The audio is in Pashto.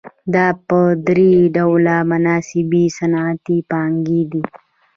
دا په درې ډوله مناسبې صنعتي پانګې دي